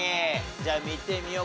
じゃあ見てみようか。